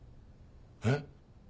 えっ？